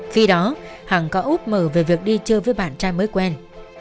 khi đó hằng có ước mở về việc đi chơi với bạn trai mới quen